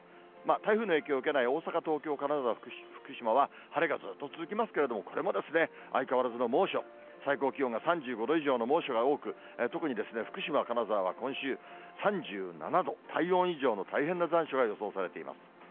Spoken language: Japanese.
台風の影響を受けない大阪、東京、金沢、福島は、晴れがずっと続きますけれども、これも、相変わらずの猛暑、最高気温が３５度以上の猛暑が多く、特に、福島、金沢は今週、３７度、体温以上の大変な残暑が予想されています。